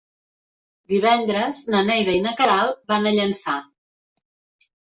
Divendres na Neida i na Queralt van a Llançà.